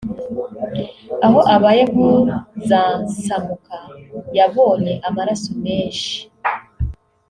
Aho abaye nk’uzansamuka yabonye amaraso menshi